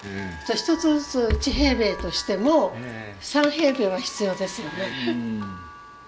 一つずつ１平米としても３平米は必要ですよね。